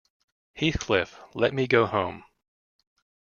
Heathcliff, let me go home!